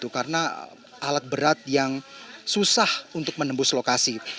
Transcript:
karena alat berat yang susah untuk menembus lokasi